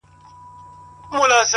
چي پاڼه وشړېدل،